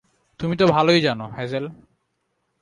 তুমি তো ভালোই জানো, হ্যাজেল।